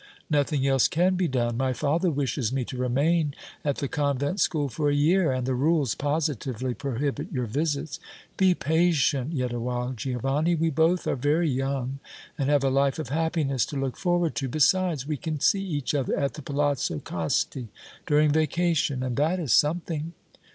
Nothing else can be done. My father wishes me to remain at the convent school for a year, and the rules positively prohibit your visits. Be patient yet awhile, Giovanni. We both are very young and have a life of happiness to look forward to. Besides, we can see each other at the Palazzo Costi during vacation, and that is something."